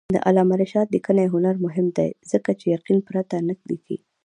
د علامه رشاد لیکنی هنر مهم دی ځکه چې یقین پرته نه لیکي.